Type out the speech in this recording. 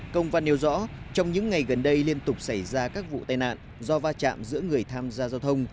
công văn nêu rõ trong những ngày gần đây liên tục xảy ra các vụ tai nạn do va chạm giữa người tham gia giao thông